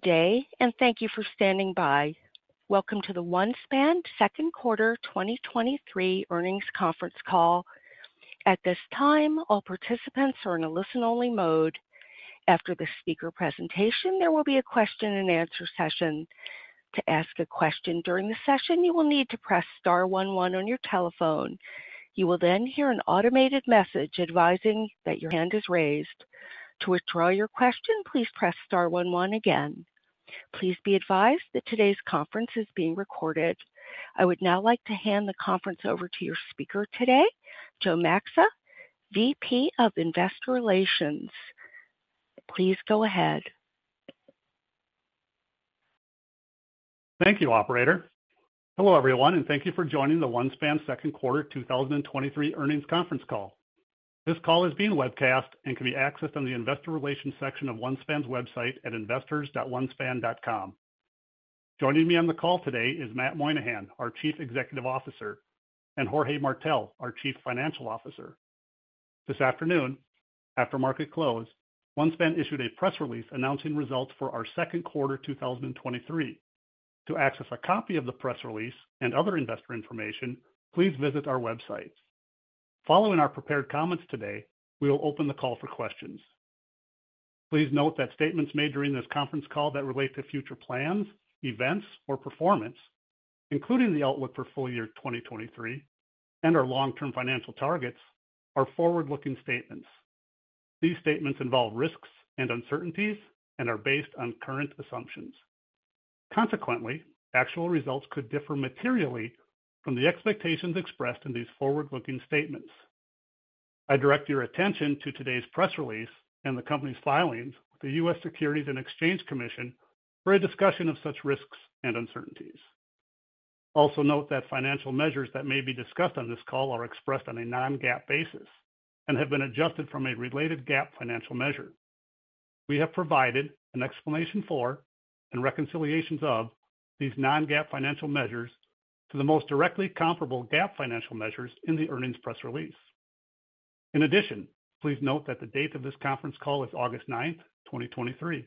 Good day, and thank you for standing by. Welcome to the OneSpan Q2 2023 Earnings Conference Call. At this time, all participants are in a listen-only mode. After the speaker presentation, there will be a question-and-answer session. To ask a question during the session, you will need to press star one one on your telephone. You will then hear an automated message advising that your hand is raised. To withdraw your question, please press star one one again. Please be advised that today's conference is being recorded. I would now like to hand the conference over to your speaker today, Joe Maxa, VP of Investor Relations. Please go ahead. Thank you, operator. Hello, everyone, and thank you for joining the OneSpan Second Quarter 2023 Earnings Conference Call. This call is being webcast and can be accessed on the Investor Relations section of OneSpan's website at investors.onespan.com. Joining me on the call today is Matt Moynahan, our Chief Executive Officer, and Jorge Martell, our Chief Financial Officer. This afternoon, after market close, OneSpan issued a press release announcing results for our Second Quarter 2023. To access a copy of the press release and other investor information, please visit our website. Following our prepared comments today, we will open the call for questions. Please note that statements made during this conference call that relate to future plans, events, or performance, including the outlook for full year 2023 and our long-term financial targets, are forward-looking statements. These statements involve risks and uncertainties and are based on current assumptions. Consequently, actual results could differ materially from the expectations expressed in these forward-looking statements. I direct your attention to today's press release and the company's filings with the U.S. Securities and Exchange Commission for a discussion of such risks and uncertainties. Also, note that financial measures that may be discussed on this call are expressed on a non-GAAP basis and have been adjusted from a related GAAP financial measure. We have provided an explanation for and reconciliations of these non-GAAP financial measures to the most directly comparable GAAP financial measures in the earnings press release. In addition, please note that the date of this conference call is August 9, 2023.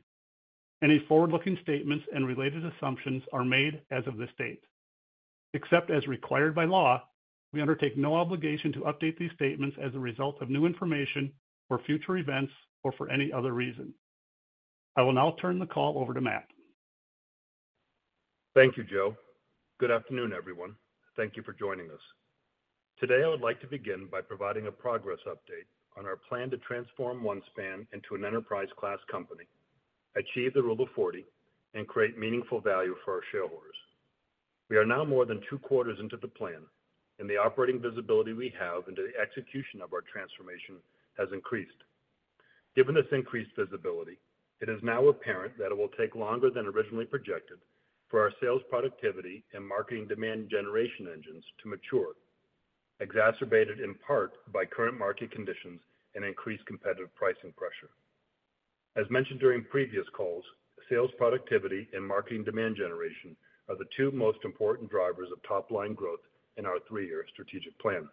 Any forward-looking statements and related assumptions are made as of this date. Except as required by law, we undertake no obligation to update these statements as a result of new information or future events or for any other reason. I will now turn the call over to Matt. Thank you, Joe. Good afternoon, everyone. Thank you for joining us. Today, I would like to begin by providing a progress update on our plan to transform OneSpan into an enterprise-class company, achieve the Rule of 40, and create meaningful value for our shareholders. We are now more than two quarters into the plan, and the operating visibility we have into the execution of our transformation has increased. Given this increased visibility, it is now apparent that it will take longer than originally projected for our sales productivity and marketing demand generation engines to mature, exacerbated in part by current market conditions and increased competitive pricing pressure. As mentioned during previous calls, sales productivity and marketing demand generation are the two most important drivers of top-line growth in our three-year strategic plan.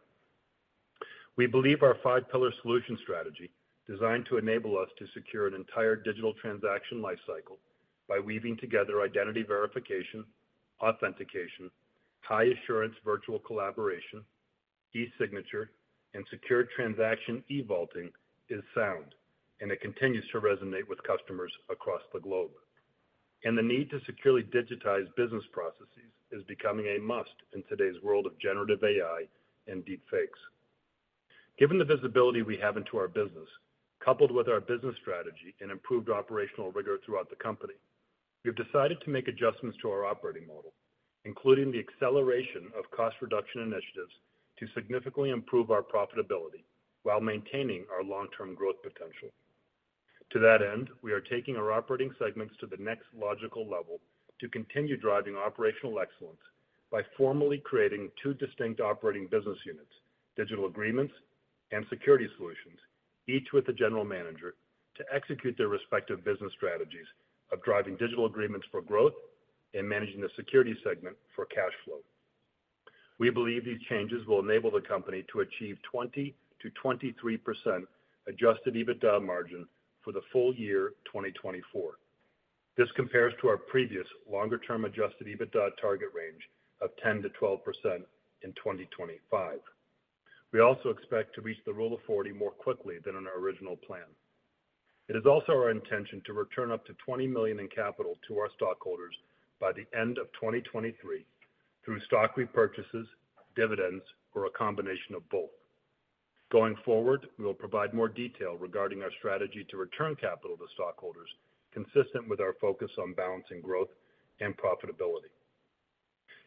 We believe our five-pillar solution strategy, designed to enable us to secure an entire digital transaction lifecycle by weaving together identity verification, authentication, high-assurance virtual collaboration, e-signature, and secure transaction e-vaulting, is sound, and it continues to resonate with customers across the globe. The need to securely digitize business processes is becoming a must in today's world of generative AI and deepfakes. Given the visibility we have into our business, coupled with our business strategy and improved operational rigor throughout the company, we've decided to make adjustments to our operating model, including the acceleration of cost reduction initiatives, to significantly improve our profitability while maintaining our long-term growth potential. To that end, we are taking our operating segments to the next logical level to continue driving operational excellence by formally creating two distinct operating business units, Digital Agreements and Security Solutions, each with a general manager to execute their respective business strategies of driving Digital Agreements for growth and managing the Security segment for cash flow. We believe these changes will enable the company to achieve 20%-23% Adjusted EBITDA margin for the full year 2024. This compares to our previous longer-term Adjusted EBITDA target range of 10%-12% in 2025. We also expect to reach the Rule of 40 more quickly than in our original plan. It is also our intention to return up to $20 million in capital to our stockholders by the end of 2023 through stock repurchases, dividends, or a combination of both. Going forward, we will provide more detail regarding our strategy to return capital to stockholders, consistent with our focus on balancing growth and profitability.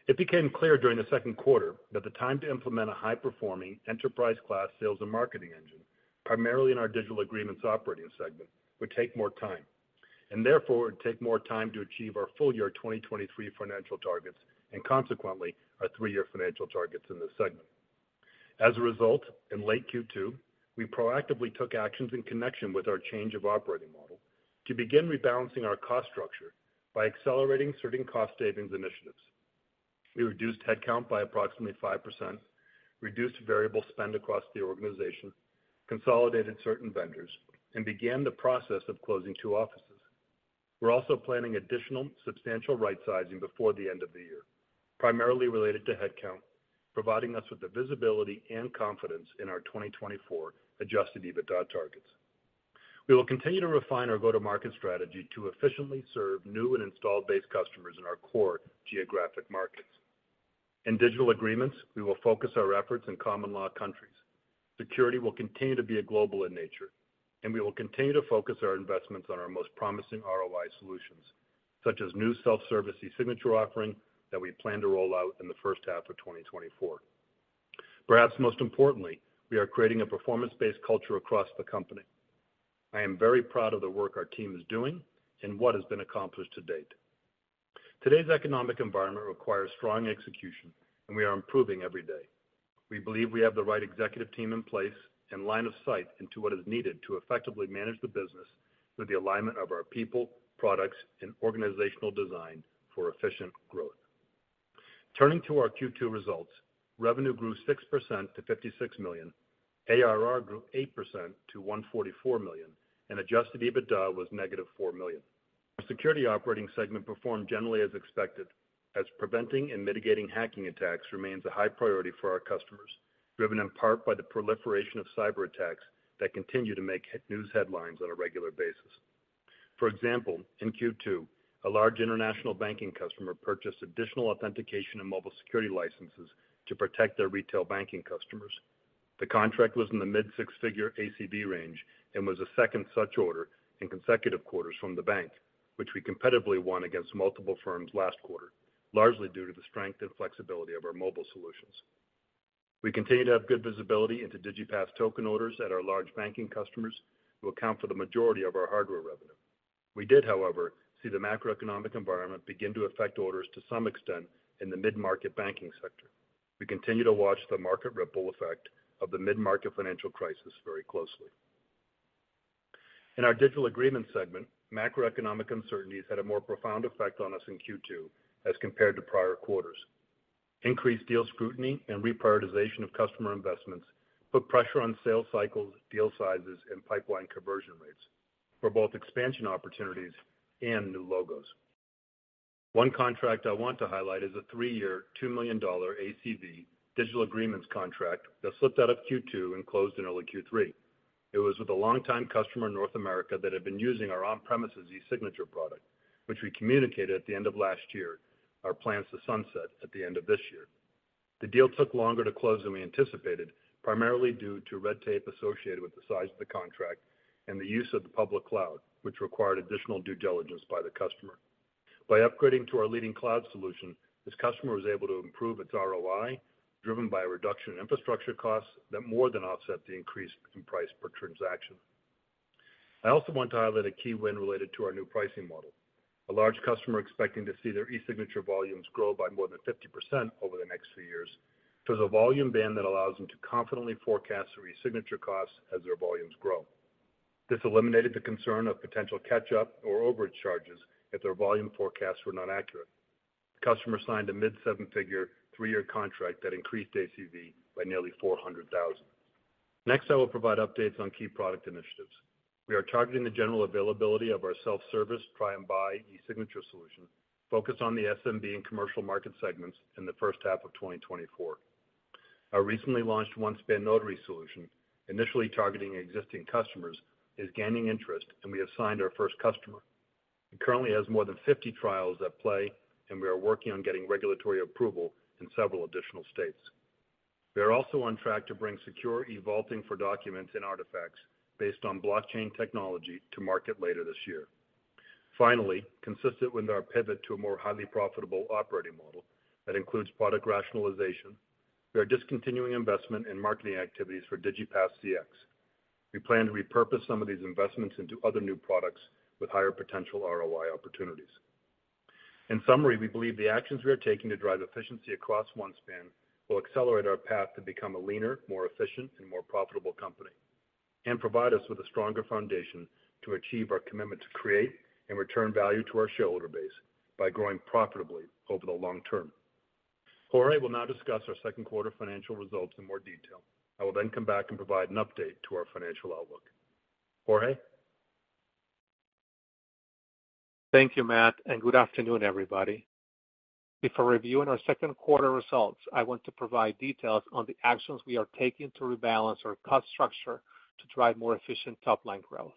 It became clear during the Second Quarter that the time to implement a high-performing enterprise-class sales and marketing engine, primarily in our Digital Agreements operating segment, would take more time, and therefore would take more time to achieve our full year 2023 financial targets and consequently, our 3-year financial targets in this segment. As a result, in late Q2, we proactively took actions in connection with our change of operating model to begin rebalancing our cost structure by accelerating certain cost reduction initiatives. We reduced headcount by approximately 5%, reduced variable spend across the organization, consolidated certain vendors, and began the process of closing two offices. We're also planning additional substantial rightsizing before the end of the year, primarily related to headcount, providing us with the visibility and confidence in our 2024 Adjusted EBITDA targets. We will continue to refine our go-to-market strategy to efficiently serve new and installed base customers in our core geographic markets. In Digital Agreements, we will focus our efforts in common law countries. Security will continue to be global in nature, and we will continue to focus our investments on our most promising ROI solutions, such as new self-service e-signature offering that we plan to roll out in the first half of 2024. Perhaps most importantly, we are creating a performance-based culture across the company. I am very proud of the work our team is doing and what has been accomplished to date. Today's economic environment requires strong execution, and we are improving every day. We believe we have the right executive team in place and line of sight into what is needed to effectively manage the business through the alignment of our people, products, and organizational design for efficient growth. Turning to our Q2 results, revenue grew 6% to $56 million, ARR grew 8% to $144 million, and Adjusted EBITDA was -$4 million. The security operating segment performed generally as expected, as preventing and mitigating hacking attacks remains a high priority for our customers, driven in part by the proliferation of cyber attacks that continue to make news headlines on a regular basis. For example, in Q2, a large international banking customer purchased additional authentication and mobile security licenses to protect their retail banking customers. The contract was in the mid six-figure ACV range and was a second such order in consecutive quarters from the bank, which we competitively won against multiple firms last quarter, largely due to the strength and flexibility of our mobile solutions. We continue to have good visibility into DigiPass token orders at our large banking customers, who account for the majority of our hardware revenue. We did, however, see the macroeconomic environment begin to affect orders to some extent in the mid-market banking sector. We continue to watch the market ripple effect of the mid-market financial crisis very closely. In our Digital Agreements segment, macroeconomic uncertainties had a more profound effect on us in Q2 as compared to prior quarters. Increased deal scrutiny and reprioritization of customer investments put pressure on sales cycles, deal sizes, and pipeline conversion rates for both expansion opportunities and new logos. One contract I want to highlight is a three-year, $2 million ACV Digital Agreements contract that slipped out of Q2 and closed in early Q3. It was with a longtime customer in North America that had been using our on-premises e-signature product, which we communicated at the end of last year our plans to sunset at the end of this year. The deal took longer to close than we anticipated, primarily due to red tape associated with the size of the contract and the use of the public cloud, which required additional due diligence by the customer. By upgrading to our leading cloud solution, this customer was able to improve its ROI, driven by a reduction in infrastructure costs that more than offset the increase in price per transaction. I also want to highlight a key win related to our new pricing model. A large customer expecting to see their e-signature volumes grow by more than 50% over the next few years, chose a volume band that allows them to confidently forecast their e-signature costs as their volumes grow. This eliminated the concern of potential catch-up or overcharges if their volume forecasts were not accurate. The customer signed a mid seven-figure, 3-year contract that increased ACV by nearly $400,000. Next, I will provide updates on key product initiatives. We are targeting the general availability of our self-service, try and buy e-signature solution, focused on the SMB and commercial market segments in the first half of 2024. Our recently launched OneSpan Notary solution, initially targeting existing customers, is gaining interest, and we have signed our first customer. It currently has more than 50 trials at play, and we are working on getting regulatory approval in several additional states. We are also on track to bring secure e-vaulting for documents and artifacts based on blockchain technology to market later this year. Finally, consistent with our pivot to a more highly profitable operating model that includes product rationalization, we are discontinuing investment in marketing activities for DigiPass CX. We plan to repurpose some of these investments into other new products with higher potential ROI opportunities. In summary, we believe the actions we are taking to drive efficiency across OneSpan will accelerate our path to become a leaner, more efficient, and more profitable company, and provide us with a stronger foundation to achieve our commitment to create and return value to our shareholder base by growing profitably over the long term. Jorge will now discuss our second quarter financial results in more detail. I will then come back and provide an update to our financial outlook. Jorge? Thank you, Matt, and good afternoon, everybody. Before reviewing our second quarter results, I want to provide details on the actions we are taking to rebalance our cost structure to drive more efficient top-line growth.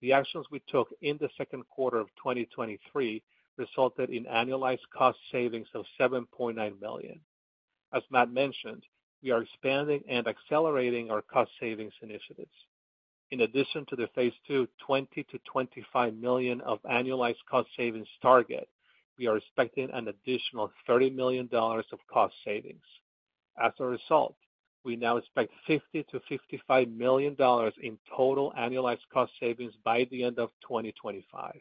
The actions we took in the second quarter of 2023 resulted in annualized cost savings of $7.9 million. As Matt mentioned, we are expanding and accelerating our cost savings initiatives. In addition to the phase two, $20 million-$25 million of annualized cost savings target, we are expecting an additional $30 million of cost savings. As a result, we now expect $50 million-$55 million in total annualized cost savings by the end of 2025.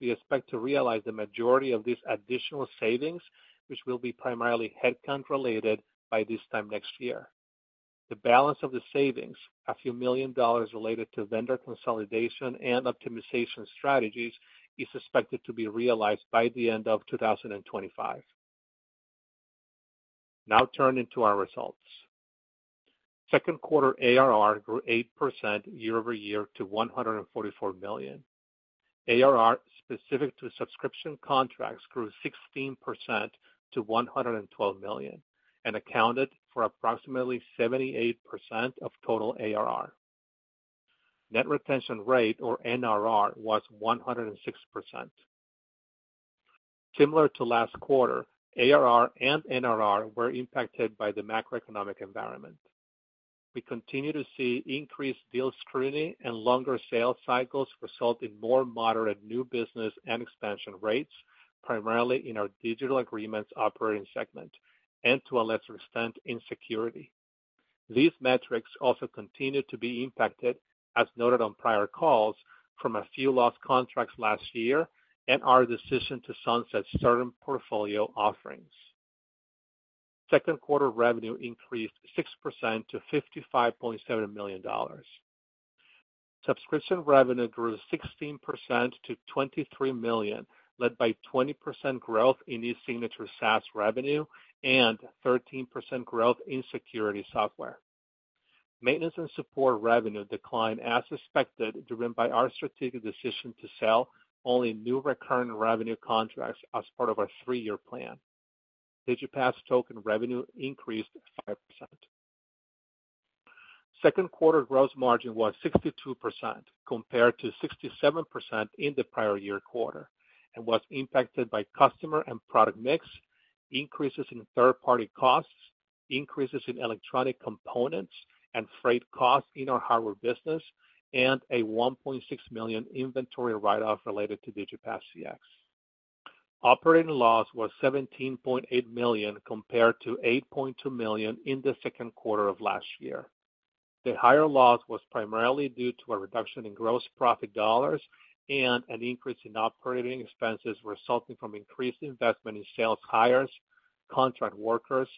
We expect to realize the majority of these additional savings, which will be primarily headcount related, by this time next year. The balance of the savings, a few million dollars related to vendor consolidation and optimization strategies, is expected to be realized by the end of 2025. Turning to our results. Second Quarter ARR grew 8% year-over-year to $144 million. ARR, specific to subscription contracts, grew 16% to $112 million and accounted for approximately 78% of total ARR. Net retention rate, or NRR, was 106%. Similar to last quarter, ARR and NRR were impacted by the macroeconomic environment. We continue to see increased deal scrutiny and longer sales cycles, resulting in more moderate new business and expansion rates, primarily in our Digital Agreements operating segment and, to a lesser extent, in Security. These metrics also continued to be impacted, as noted on prior calls, from a few lost contracts last year and our decision to sunset certain portfolio offerings. Second quarter revenue increased 6% to $55.7 million. Subscription revenue grew 16% to $23 million, led by 20% growth in e-signature SaaS revenue and 13% growth in security software. Maintenance and support revenue declined as expected, driven by our strategic decision to sell only new recurring revenue contracts as part of our three-year plan. Digipass token revenue increased 5%. Second quarter gross margin was 62%, compared to 67% in the prior year quarter, and was impacted by customer and product mix, increases in third-party costs, increases in electronic components and freight costs in our hardware business, and a $1.6 million inventory write-off related to Digipass CX. Operating loss was $17.8 million, compared to $8.2 million in the second quarter of last year. The higher loss was primarily due to a reduction in gross profit dollars and an increase in operating expenses, resulting from increased investment in sales hires, contract workers,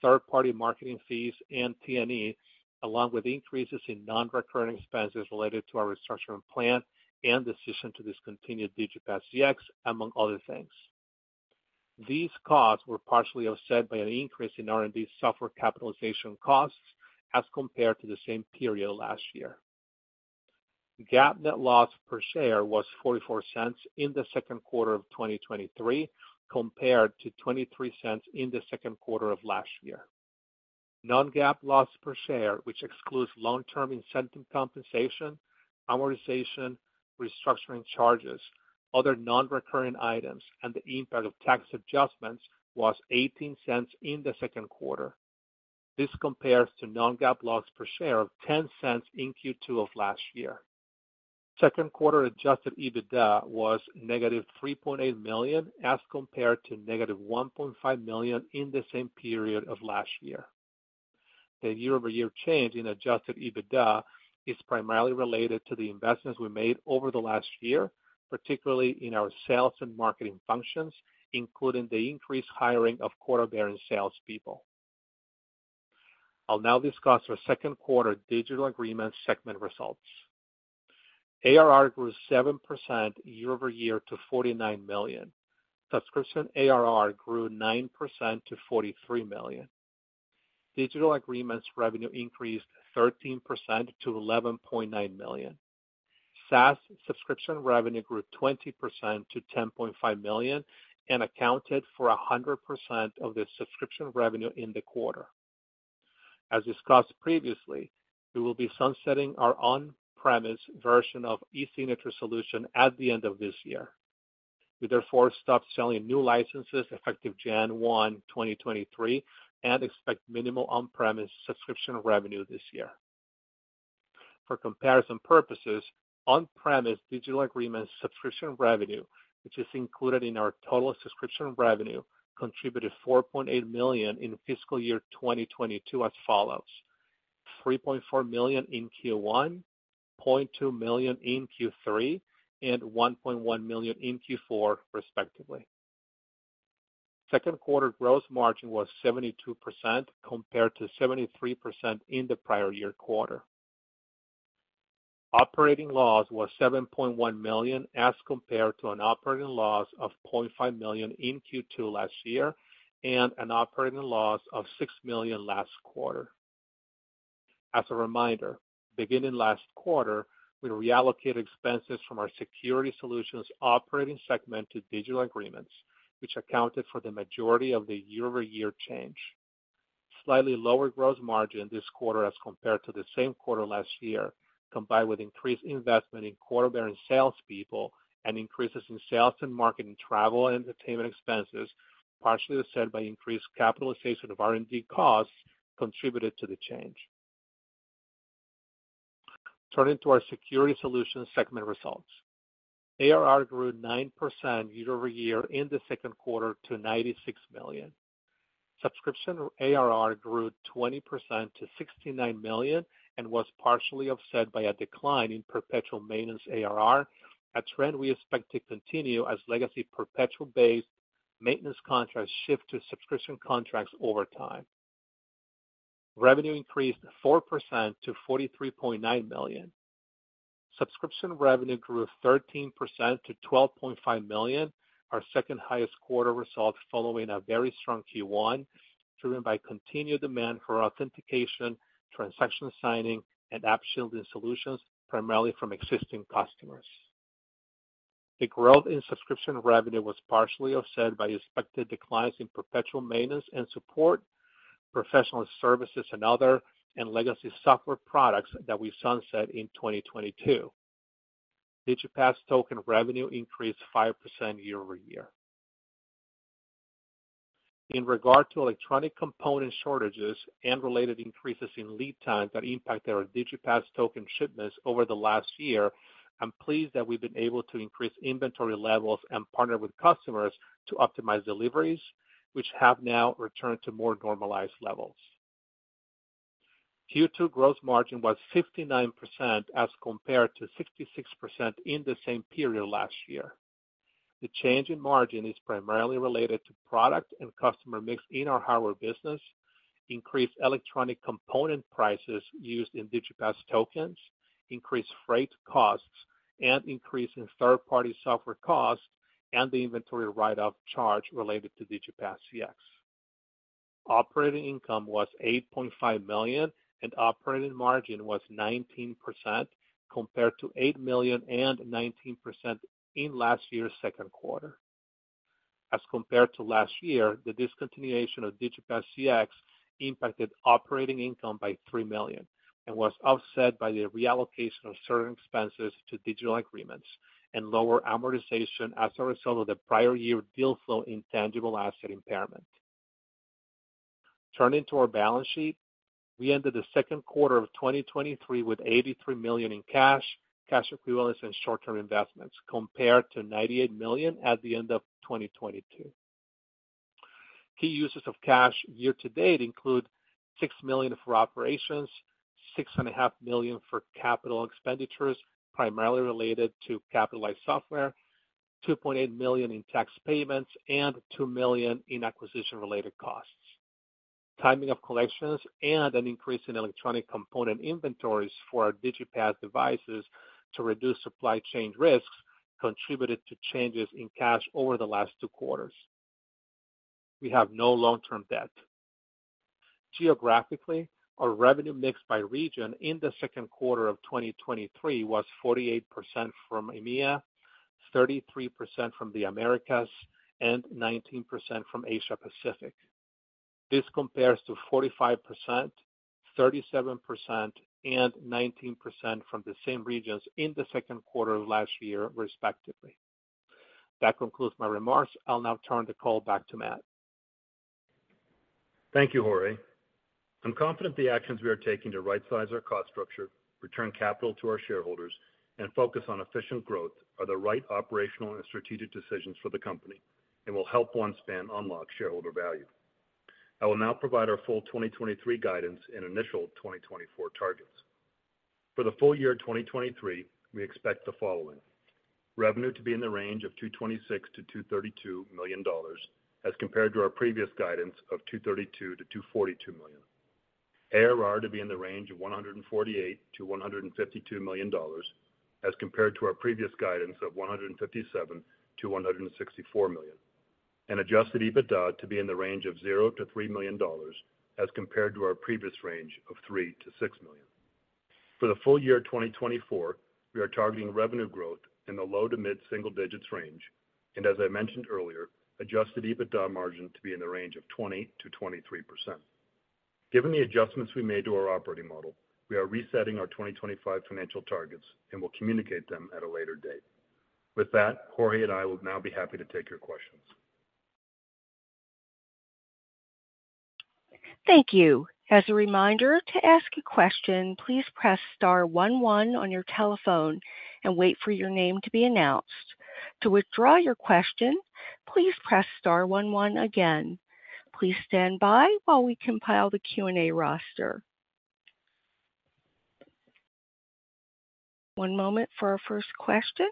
third-party marketing fees, and T&E, along with increases in non-recurring expenses related to our restructuring plan and decision to discontinue Digipass CX, among other things. These costs were partially offset by an increase in R&D software capitalization costs as compared to the same period last year. GAAP net loss per share was $0.44 in the second quarter of 2023, compared to $0.23 in the second quarter of last year. Non-GAAP loss per share, which excludes long-term incentive compensation, amortization, restructuring charges, other non-recurring items, and the impact of tax adjustments, was $0.18 in the second quarter. This compares to non-GAAP loss per share of $0.10 in Q2 of last year. Second quarter Adjusted EBITDA was -$3.8 million, as compared to -$1.5 million in the same period of last year. The year-over-year change in Adjusted EBITDA is primarily related to the investments we made over the last year, particularly in our sales and marketing functions, including the increased hiring of quota-bearing salespeople. I'll now discuss our second quarter Digital Agreements segment results. ARR grew 7% year-over-year to $49 million. Subscription ARR grew 9% to $43 million. Digital Agreements revenue increased 13% - $11.9 million. SaaS subscription revenue grew 20% to $10.5 million and accounted for 100% of the subscription revenue in the quarter. As discussed previously, we will be sunsetting our on-premise version of e-signature solution at the end of this year. We therefore stopped selling new licenses effective January 1, 2023, and expect minimal on-premise subscription revenue this year. For comparison purposes, on-premise Digital Agreements subscription revenue, which is included in our total subscription revenue, contributed $4.8 million in fiscal year 2022 as follows: $3.4 million in Q1, $0.2 million in Q3, and $1.1 million in Q4, respectively. Second quarter gross margin was 72%, compared to 73% in the prior year quarter. Operating loss was $7.1 million, as compared to an operating loss of $0.5 million in Q2 last year and an operating loss of $6 million last quarter. As a reminder, beginning last quarter, we reallocated expenses from our Security Solutions operating segment to Digital Agreements, which accounted for the majority of the year-over-year change. Slightly lower gross margin this quarter as compared to the same quarter last year, combined with increased investment in quota-bearing salespeople and increases in sales and marketing, travel, and entertainment expenses, partially offset by increased capitalization of R&D costs, contributed to the change. Turning to our Security Solutions segment results. ARR grew 9% year-over-year in the Second Quarter to $96 million. Subscription ARR grew 20% to $69 million and was partially offset by a decline in perpetual maintenance ARR, a trend we expect to continue as legacy perpetual maintenance contracts shift to subscription contracts over time. Revenue increased 4% to $43.9 million. Subscription revenue grew 13% - $12.5 million, our second-highest quarter result, following a very strong Q1, driven by continued demand for authentication, transaction signing, and app shielding solutions, primarily from existing customers. The growth in subscription revenue was partially offset by expected declines in perpetual maintenance and support, professional services and other, and legacy software products that we sunset in 2022. DigiPass token revenue increased 5% year-over-year. In regard to electronic component shortages and related increases in lead times that impacted our DigiPass token shipments over the last year, I'm pleased that we've been able to increase inventory levels and partner with customers to optimize deliveries, which have now returned to more normalized levels. Q2 growth margin was 59% as compared to 66% in the same period last year. The change in margin is primarily related to product and customer mix in our hardware business, increased electronic component prices used in DigiPass tokens, increased freight costs, and increase in third-party software costs, and the inventory write-off charge related to DigiPass CX. Operating income was $8.5 million, operating margin was 19%, compared to $8 million and 19% in last year's second quarter. As compared to last year, the discontinuation of DigiPass CX impacted operating income by $3 million and was offset by the reallocation of certain expenses to Digital Agreements and lower amortization as a result of the prior year deal flow intangible asset impairment. Turning to our balance sheet, we ended the second quarter of 2023 with $83 million in cash, cash equivalents, and short-term investments, compared to $98 million at the end of 2022. Key uses of cash year to date include $6 million for operations, $6.5 million for capital expenditures, primarily related to capitalized software, $2.8 million in tax payments, and $2 million in acquisition-related costs. Timing of collections and an increase in electronic component inventories for our DigiPass devices to reduce supply chain risks contributed to changes in cash over the last two quarters. We have no long-term debt. Geographically, our revenue mix by region in the Second Quarter 2023 was 48% from EMEA, 33% from the Americas, and 19% from Asia Pacific. This compares to 45%, 37%, and 19% from the same regions in the second quarter of last year, respectively. That concludes my remarks. I'll now turn the call back to Matt. Thank you, Jorge. I'm confident the actions we are taking to rightsize our cost structure, return capital to our shareholders, and focus on efficient growth are the right operational and strategic decisions for the company and will help OneSpan unlock shareholder value. I will now provide our full 2023 guidance and initial 2024 targets. For the full year 2023, we expect the following: Revenue to be in the range of $226 million-$232 million, as compared to our previous guidance of $232 million-$242 million. ARR to be in the range of $148 million-$152 million, as compared to our previous guidance of $157 million-$164 million. Adjusted EBITDA to be in the range of $0-$3 million, as compared to our previous range of $3 million-$6 million. For the full year 2024, we are targeting revenue growth in the low to mid-single digits range, and as I mentioned earlier, Adjusted EBITDA margin to be in the range of 20%-23%. Given the adjustments we made to our operating model, we are resetting our 2025 financial targets and will communicate them at a later date. With that, Jorge and I will now be happy to take your questions. Thank you. As a reminder, to ask a question, please press *11 on your telephone and wait for your name to be announced. To withdraw your question, please press *11 again. Please stand by while we compile the Q&A roster. One moment for our first question.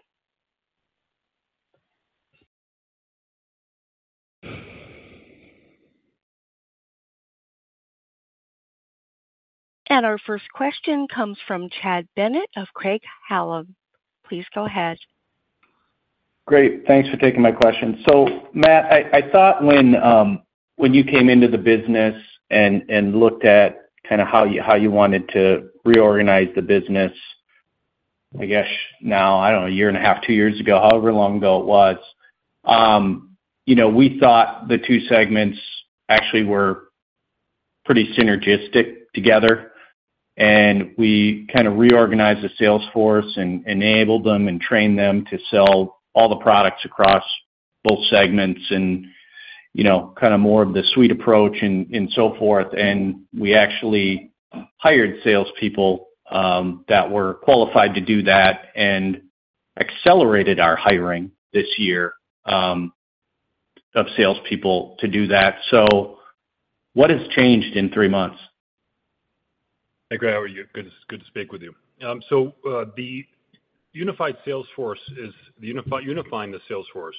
Our first question comes from Chad Bennett of Craig-Hallum. Please go ahead. Great. Thanks for taking my question. Matt, I, I thought when, when you came into the business and, and looked at kinda how you, how you wanted to reorganize the business, I guess now, I don't know, a year and a half, two years ago, however long ago it was, you know, we thought the two segments actually were pretty synergistic together, and we kinda reorganized the sales force and enabled them and trained them to sell all the products across both segments and, you know, kinda more of the suite approach and, and so forth. We actually hired salespeople, that were qualified to do that and accelerated our hiring this year, of salespeople to do that. What has changed in 3 months? Hey, Craig, how are you? Good, it's good to speak with you. The unified sales force is unifying the sales force,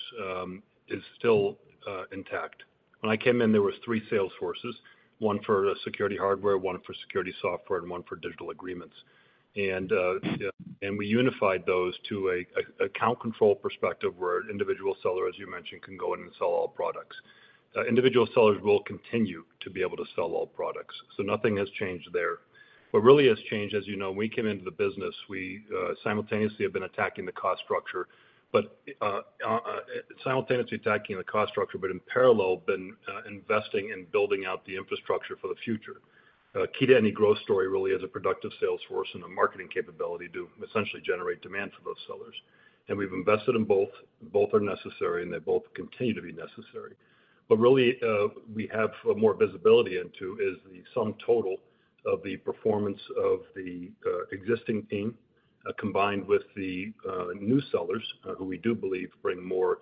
is still intact. When I came in, there was three sales forces, one for security hardware, one for security software, and one for Digital Agreements. We unified those to an account control perspective, where an individual seller, as you mentioned, can go in and sell all products. Individual sellers will continue to be able to sell all products, so nothing has changed there. What really has changed, as you know, we came into the business, we simultaneously have been attacking the cost structure, but simultaneously attacking the cost structure, but in parallel, been investing in building out the infrastructure for the future. Key to any growth story really is a productive sales force and a marketing capability to essentially generate demand for those sellers. We've invested in both. Both are necessary, and they both continue to be necessary. Really, we have more visibility into is the sum total of the performance of the existing team, combined with the new sellers, who we do believe bring more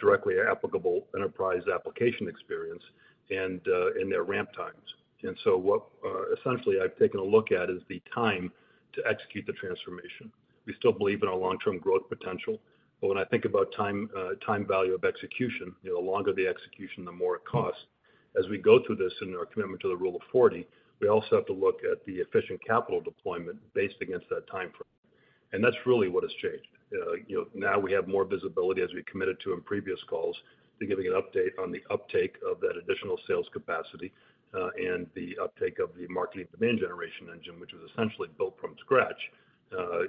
directly applicable enterprise application experience and in their ramp times. What essentially I've taken a look at is the time to execute the transformation. We still believe in our long-term growth potential, but when I think about time, time value of execution, you know, the longer the execution, the more it costs. As we go through this and our commitment to the Rule of 40, we also have to look at the efficient capital deployment based against that time frame. That's really what has changed. You know, now we have more visibility, as we committed to in previous calls, to giving an update on the uptake of that additional sales capacity, and the uptake of the marketing demand generation engine, which was essentially built from scratch,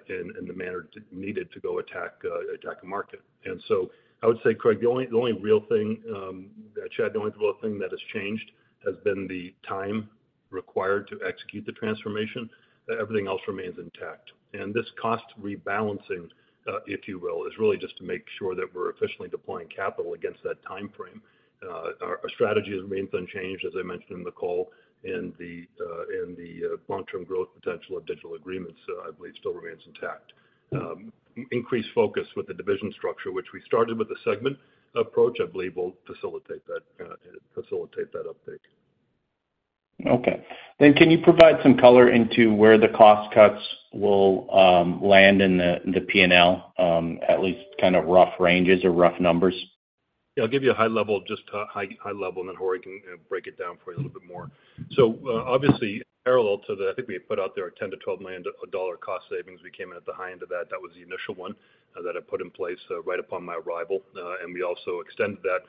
in the manner needed to go attack the market. I would say, Craig, the only real thing, that Chad, the only real thing that has changed has been the time required to execute the transformation. Everything else remains intact. This cost rebalancing, if you will, is really just to make sure that we're efficiently deploying capital against that time frame. Our, our strategy remains unchanged, as I mentioned in the call, the long-term growth potential of Digital Agreements, I believe, still remains intact. Increased focus with the division structure, which we started with the segment approach, I believe will facilitate that, facilitate that uptake. Can you provide some color into where the cost cuts will land in the, the PNL, at least kind of rough ranges or rough numbers? I'll give you a high level, just high, high level, and then Jorge can break it down for you a little bit more. Obviously, parallel to the-- I think we had put out there a $10 million-$12 million cost savings. We came in at the high end of that. That was the initial one, that I put in place, right upon my arrival. We also extended that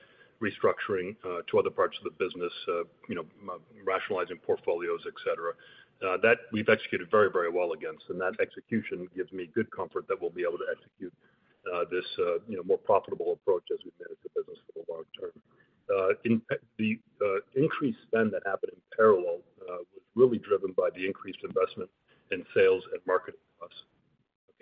restructuring, to other parts of the business, you know, rationalizing portfolios, et cetera. That we've executed very, very well against, and that execution gives me good comfort that we'll be able to execute, this, you know, more profitable approach as we manage the business for the long term. In the increased spend that happened in parallel, was really driven by the increased investment in sales and marketing costs.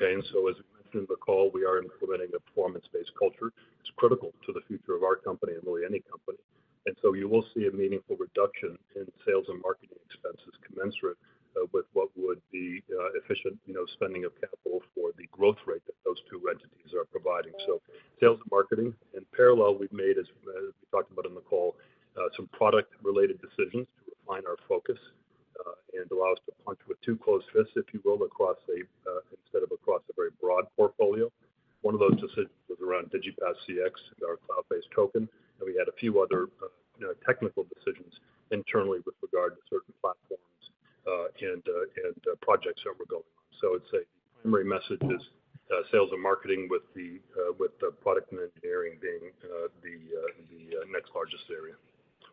As mentioned in the call, we are implementing a performance-based culture. It's critical to the future of our company and really any company. You will see a meaningful reduction in sales and marketing expenses commensurate with what would be efficient, you know, spending of capital for the growth rate that those two entities are providing. Sales and marketing, in parallel, we've made, as we talked about in the call, some product-related decisions to refine our focus and allow us to punch with two close fists, if you will, across a instead of across a very broad portfolio. One of those decisions was around DigiPass CX, our cloud-based token, and we had a few other, you know, technical decisions internally with regard to certain platforms, and, and projects that we're building. I'd say the primary message is sales and marketing with the product and engineering being the next largest area.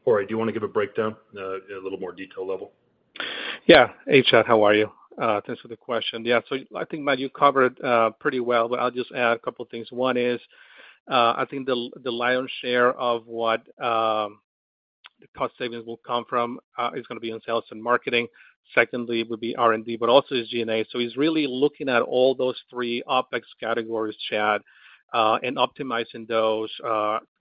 Jorge, do you want to give a breakdown, a little more detail level? Yeah. Hey, Chad, how are you? Thanks for the question. Yeah, so I think, Matt, you covered pretty well, but I'll just add a couple of things. One is, I think the, the lion's share of what the cost savings will come from is gonna be on sales and marketing. Secondly, it would be R&D, but also is G&A. So it's really looking at all those three OpEx categories, Chad, and optimizing those.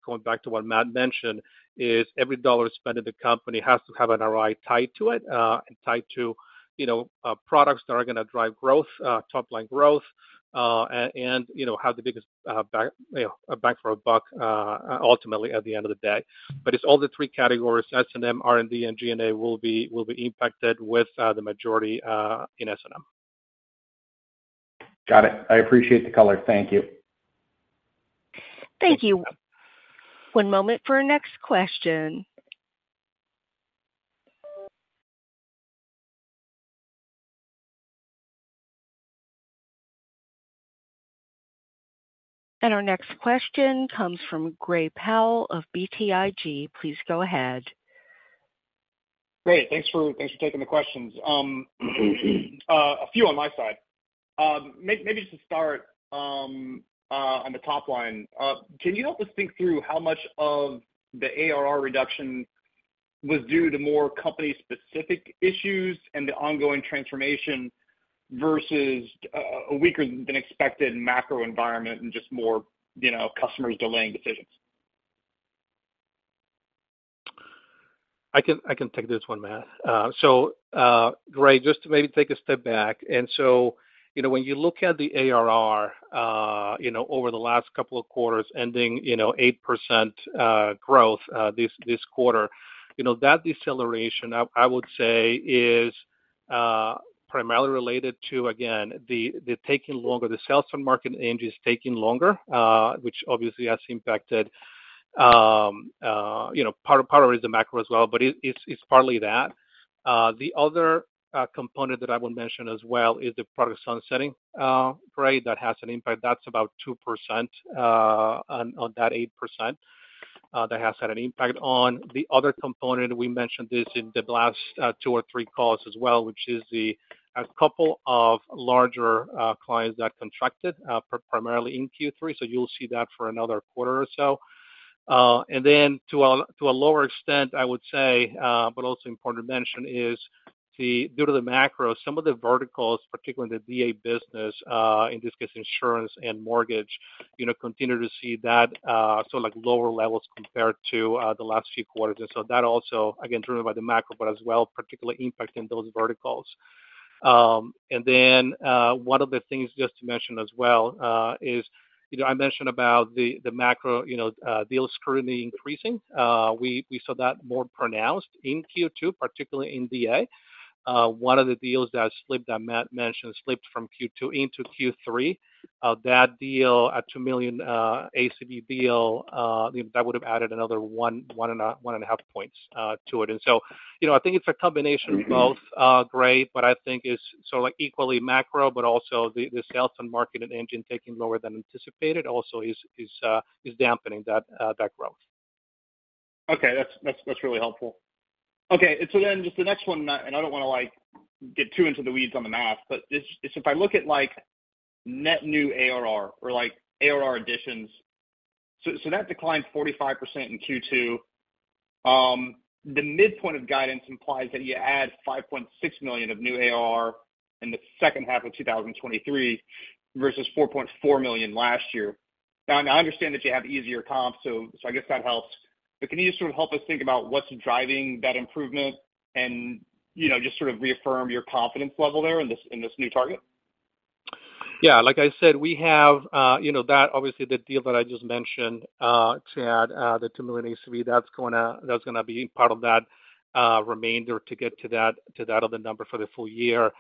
Going back to what Matt mentioned, is every dollar spent in the company has to have an ROI tied to it, and tied to, you know, products that are gonna drive growth, top-line growth, and, you know, have the biggest bang, you know, bang for a buck, ultimately, at the end of the day. It's all the three categories, S&M, R&D, and G&A will be, will be impacted with the majority in S&M. Got it. I appreciate the color. Thank you. Thank you. One moment for our next question. Our next question comes from Gray Powell of BTIG. Please go ahead. Great. Thanks for, thanks for taking the questions. A few on my side. Maybe just to start, on the top line, can you help us think through how much of the ARR reduction was due to more company-specific issues and the ongoing transformation versus, a weaker than expected macro environment and just more, you know, customers delaying decisions? I can, I can take this one, Matt. Gray, just to maybe take a step back, you know, when you look at the ARR, you know, over the last couple of quarters, ending, you know, 8% growth, this, this quarter, you know, that deceleration, I, I would say, is primarily related to, again, the, the taking longer, the sales and marketing engine is taking longer, which obviously has impacted, you know, part is the macro as well, but it, it's, it's partly that. The other component that I would mention as well is the product sunsetting, Gray, that has an impact. That's about 2% on that 8% that has had an impact. On the other component, we mentioned this in the last, two or three calls as well, which is the, a couple of larger, clients that contracted, primarily in Q3. You'll see that for another quarter or so. To a, to a lower extent, I would say, but also important to mention, due to the macro, some of the verticals, particularly in the DA business, in this case, insurance and mortgage, you know, continue to see that, so, like, lower levels compared to, the last few quarters. That also, again, driven by the macro, but as well, particularly impacting those verticals. One of the things just to mention as well, is, you know, I mentioned about the, the macro, you know, deals currently increasing. We, we saw that more pronounced in Q2, particularly in DA. One of the deals that slipped, that Matt mentioned, slipped from Q2 into Q3. That deal, a $2 million, ACV deal, that would have added another 1, 1.5 points, to it. So, you know, I think it's a combination of both, Gray, but I think it's sort of like equally macro, but also the, the sales and marketing engine taking lower than anticipated also is, is, is dampening that, that growth. Okay. That's, that's, that's really helpful. Okay, just the next one, and I don't wanna, like, get too into the weeds on the math, but just, if I look at like net new ARR or like ARR additions, that declined 45% in Q2. The midpoint of guidance implies that you add $5.6 million of new ARR in the second half of 2023 versus $4.4 million last year. Now, I understand that you have easier comps, I guess that helps. Can you sort of help us think about what's driving that improvement and, you know, just sort of reaffirm your confidence level there in this new target? Yeah, like I said, we have, you know, that obviously, the deal that I just mentioned, Chad, the $2 million ACV, that's gonna, that's gonna be part of that, remainder to get to that, to that other number for the full year.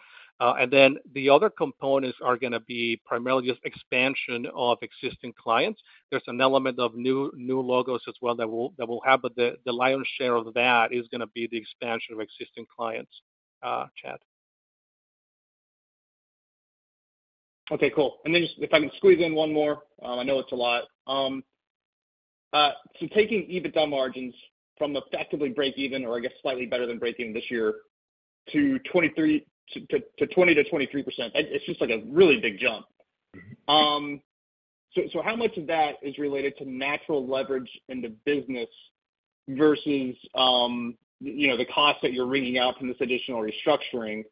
Then the other components are gonna be primarily just expansion of existing clients. There's an element of new, new logos as well that will, that will happen, but the, the lion's share of that is gonna be the expansion of existing clients, Chad. Okay, cool. Then if I can squeeze in one more, I know it's a lot. Taking EBITDA margins from effectively break even, or I guess, slightly better than breaking this year, to 2023, to 20% to 23%, it's just like a really big jump. So, how much of that is related to natural leverage in the business versus, you know, the costs that you're wringing out from this additional restructuring?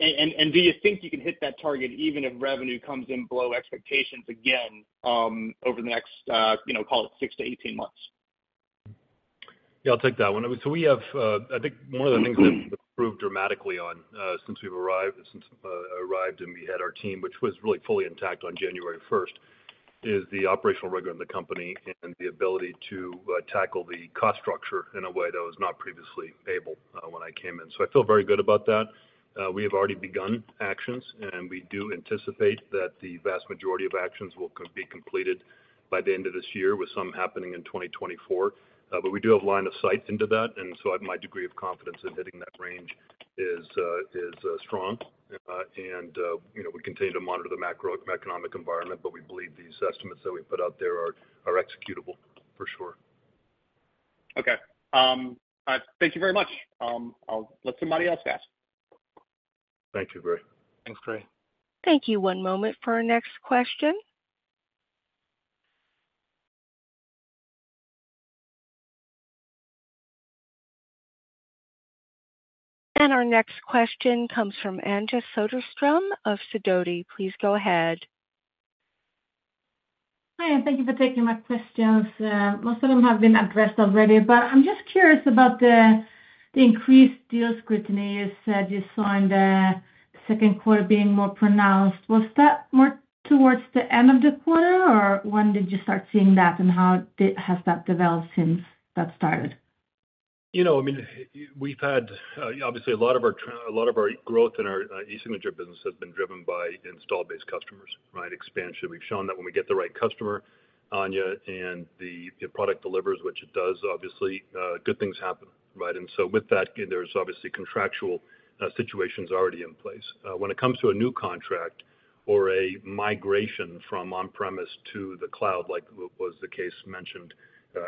And, and do you think you can hit that target, even if revenue comes in below expectations again, over the next, you know, call it six to 18 months? Yeah, I'll take that one. We have, I think one of the things that improved dramatically on since we've arrived, since I arrived and we had our team, which was really fully intact on January 1, is the operational rigor in the company and the ability to tackle the cost structure in a way that was not previously able when I came in. I feel very good about that. We have already begun actions, and we do anticipate that the vast majority of actions will be completed by the end of this year, with some happening in 2024. We do have line of sight into that, and I have my degree of confidence in hitting that range is strong. You know, we continue to monitor the macroeconomic environment, but we believe these estimates that we put out there are, are executable for sure. Okay. Thank you very much. I'll let somebody else ask. Thank you, Gray. Thanks, Gray. Thank you. One moment for our next question. Our next question comes from Anja Soderstrom of Sidoti. Please go ahead. Hi, and thank you for taking my questions. Most of them have been addressed already, but I'm just curious about the, the increased deal scrutiny. You said you saw in the second quarter being more pronounced. Was that more towards the end of the quarter, or when did you start seeing that, and how has that developed since that started? You know, I mean, we've had, obviously, a lot of our growth in our e-signature business has been driven by install base customers, right? Expansion. We've shown that when we get the right customer, Anja, and the product delivers, which it does, obviously, good things happen, right? With that, there's obviously contractual situations already in place. When it comes to a new contract or a migration from on-premise to the cloud, like was the case mentioned,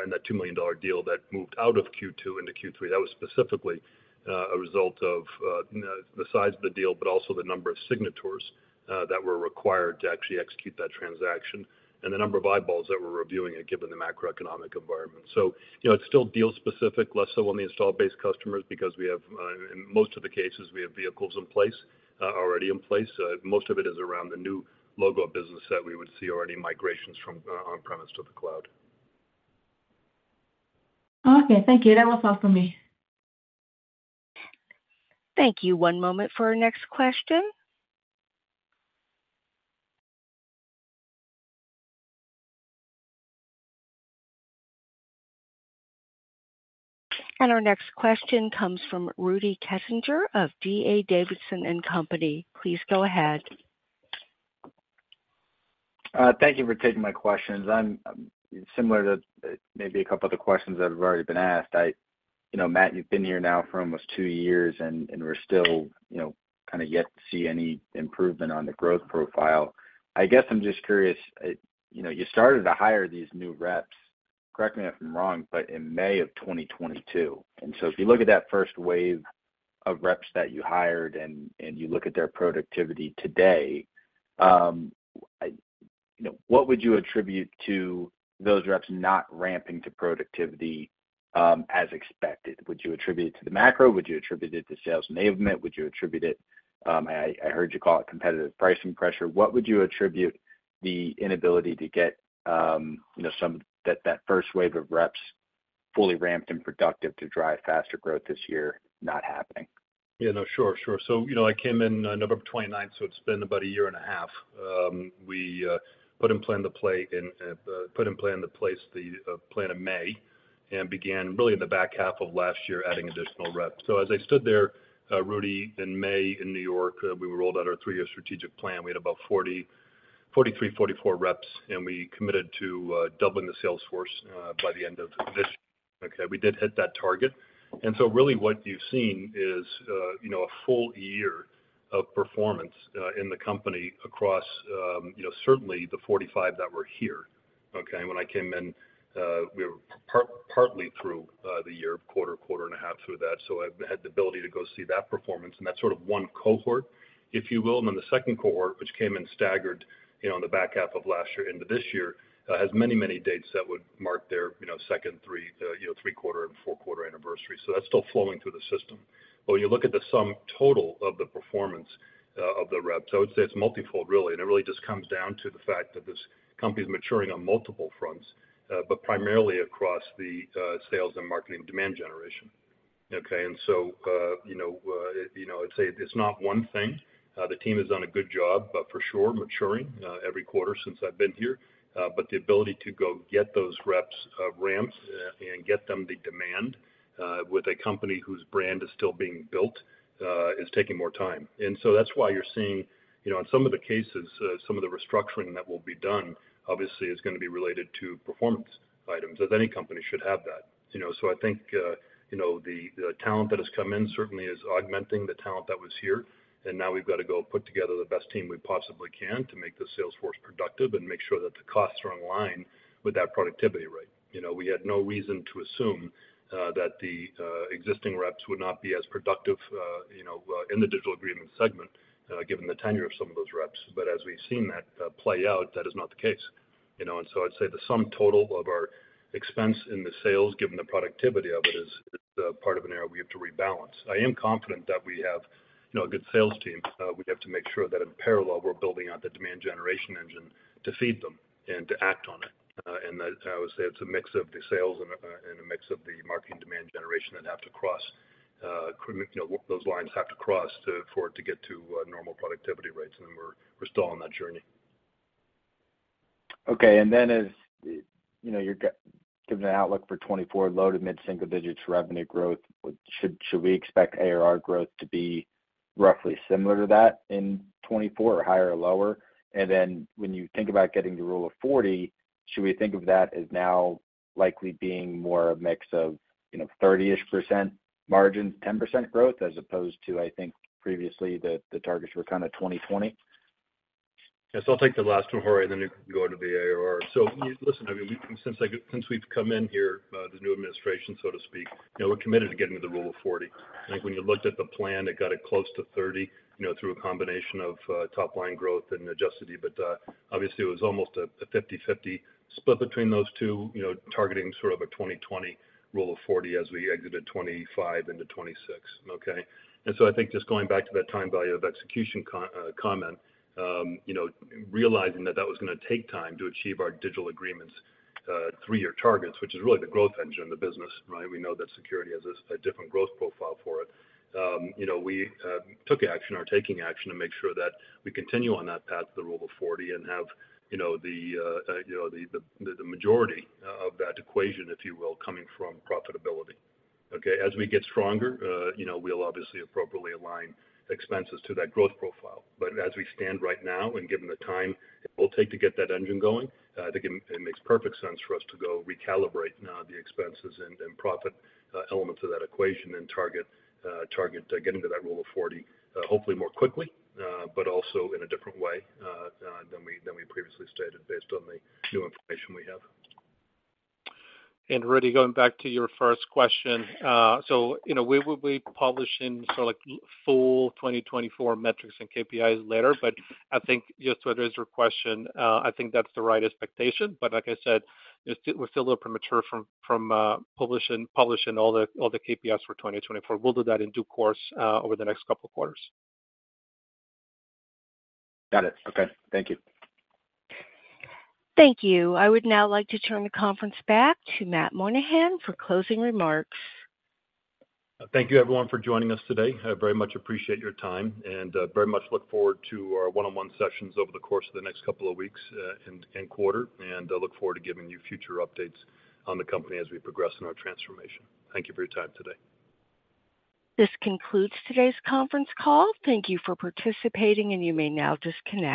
in that $2 million deal that moved out of Q2 into Q3, that was specifically a result of the size of the deal, but also the number of signators that were required to actually execute that transaction, and the number of eyeballs that were reviewing it, given the macroeconomic environment. You know, it's still deal specific, less so on the install base customers, because we have, in most of the cases, we have vehicles in place, already in place. Most of it is around the new logo business that we would see or any migrations from, on-premise to the cloud. Okay, thank you. That was all for me. Thank you. One moment for our next question. Our next question comes from Rudy Kessinger of DA Davidson & Company. Please go ahead. Thank you for taking my questions. I'm similar to maybe a couple other questions that have already been asked, I. You know, Matt, you've been here now for almost two years, and we're still, you know, kinda yet to see any improvement on the growth profile. I guess I'm just curious, it, you know, you started to hire these new reps, correct me if I'm wrong, but in May 2022, so if you look at that first wave of reps that you hired and you look at their productivity today, you know, what would you attribute to those reps not ramping to productivity as expected? Would you attribute it to the macro? Would you attribute it to sales enablement? Would you attribute it, I heard you call it competitive pricing pressure. What would you attribute the inability to get, you know, some, that, that first wave of reps fully ramped and productive to drive faster growth this year not happening? Yeah, no, sure, sure. You know, I came in on November 29th, so it's been about a year and a half. We put in plan the play and put in plan the place, the plan in May, and began really in the back half of last year, adding additional reps. As I stood there, Rudy, in May in New York, we rolled out our three-year strategic plan. We had about 40, 43, 44 reps, and we committed to doubling the sales force by the end of this. Okay, we did hit that target. Really what you've seen is, you know, a full year of performance in the company across, you know, certainly the 45 that were here, okay? When I came in, we were partly through the year, quarter, quarter and a half through that, so I've had the ability to go see that performance. That's sort of one cohort, if you will. The second cohort, which came in staggered, you know, in the back half of last year into this year, has many, many dates that would mark their, you know, second, three, you know, three-quarter and four-quarter anniversary. That's still flowing through the system. When you look at the sum total of the performance of the reps, I would say it's multifold, really, and it really just comes down to the fact that this company is maturing on multiple fronts, but primarily across the sales and marketing demand generation. Okay, you know, you know, I'd say it's not one thing. The team has done a good job, for sure, maturing, every quarter since I've been here. The ability to go get those reps, ramped, and get them the demand, with a company whose brand is still being built, is taking more time. That's why you're seeing, you know, in some of the cases, some of the restructuring that will be done obviously is gonna be related to performance items, as any company should have that. You know? I think, you know, the, the talent that has come in certainly is augmenting the talent that was here, and now we've got to go put together the best team we possibly can to make the sales force productive and make sure that the costs are in line with that productivity rate. You know, we had no reason to assume that the existing reps would not be as productive, you know, in the Digital Agreements segment, given the tenure of some of those reps. As we've seen that play out, that is not the case, you know? I'd say the sum total of our expense in the sales, given the productivity of it, is, is part of an area we have to rebalance. I am confident that we have, you know, a good sales team. We have to make sure that in parallel, we're building out the demand generation engine to feed them and to act on it. That I would say it's a mix of the sales and a mix of the marketing demand generation that have to cross, you know, those lines have to cross to for it to get to normal productivity rates, and we're still on that journey. Okay, as, you know, you're giving an outlook for 2024, low to mid single-digits revenue growth, should, should we expect ARR growth to be roughly similar to that in 2024, or higher or lower? When you think about getting the Rule of 40, should we think of that as now likely being more a mix of, you know, 30%-ish margin, 10% growth, as opposed to, I think previously, the, the targets were kind of 20/20? Yes, I'll take the last one, Jorge, and then you can go to the ARR. Listen, I mean, since since we've come in here, the new administration, so to speak, you know, we're committed to getting to the Rule of 40. I think when you looked at the plan, it got it close to 30, you know, through a combination of, top-line growth and adjusted, but, obviously, it was almost a, a 50/50 split between those two, you know, targeting sort of a 20/20 Rule of 40 as we exited 2025 into 2026. Okay? I think just going back to that time value of execution comment, you know, realizing that that was gonna take time to achieve our Digital Agreements, three-year targets, which is really the growth engine of the business, right? We know that security has a, a different growth profile for it. you know, we took action or are taking action to make sure that we continue on that path to the Rule of 40 and have, you know, the, you know, the, the, the majority of that equation, if you will, coming from profitability. Okay, as we get stronger, you know, we'll obviously appropriately align expenses to that growth profile. As we stand right now, and given the time it will take to get that engine going, I think it, it makes perfect sense for us to go recalibrate, the expenses and, and profit, elements of that equation and target, target, getting to that Rule of 40, hopefully more quickly, but also in a different way, than we, than we previously stated, based on the new information we have. Rudy, going back to your first question, so, you know, we will be publishing sort of like full 2024 metrics and KPIs later, I think just to address your question, I think that's the right expectation. Like I said, it's still, we're still a little premature from, from publishing, publishing all the, all the KPIs for 2024. We'll do that in due course, over the next couple of quarters. Got it. Okay. Thank you Thank you. I would now like to turn the conference back to Matt Moynahan for closing remarks. Thank you, everyone, for joining us today. I very much appreciate your time and very much look forward to our one-on-one sessions over the course of the next couple of weeks, and quarter, and I look forward to giving you future updates on the company as we progress in our transformation. Thank you for your time today. This concludes today's conference call. Thank you for participating, and you may now disconnect.